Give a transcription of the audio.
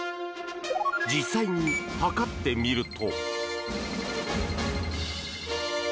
実際に測ってみると。